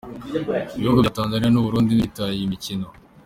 Ibihugu bya Tanzania n’u Burundi ntibyitabiriye iyi mikino.